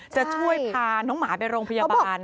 จะช่วยพาน้องหมาไปโรงพยาบาล